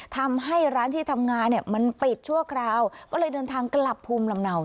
ทำให้ร้านที่ทำงานเนี่ยมันปิดชั่วคราวก็เลยเดินทางกลับภูมิลำเนา